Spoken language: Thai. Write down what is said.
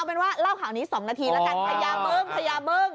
เอาเป็นว่าเล่าข่าวนี้๒นาทีแล้วจังพญาบึ้ง